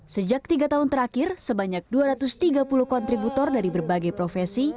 sejak tiga tahun terakhir sebanyak dua ratus tiga puluh kontributor dari berbagai profesi